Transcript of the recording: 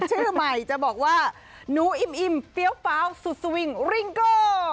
ชื่อใหม่จะบอกว่าหนูอิ่มเฟี้ยวฟ้าวสุดสวิงริงโก